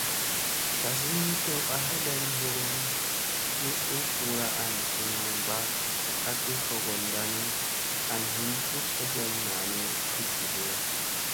Gazi ni tew a heben hurum ki u puura an sunu mba ha ki fogondani an hin tut egem naani fi jivira.